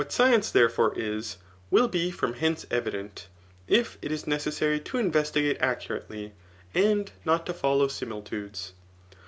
^ience therefore is, vnU be from hence evident, if it is necessary to investigate accurately, and not to follow similitudes.